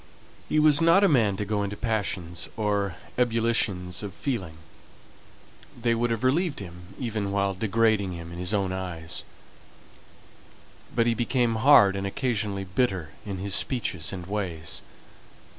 He was not a man to go into passions, or ebullitions of feeling: they would have relieved him, even while degrading him in his own eyes; but he became hard, and occasionally bitter in his speeches and ways.